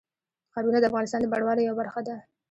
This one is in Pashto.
ښارونه د افغانستان د بڼوالۍ یوه برخه ده.